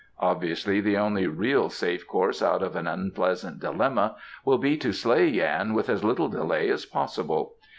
Obviously the only really safe course out of an unpleasant dilemma will be to slay Yan with as little delay as possible.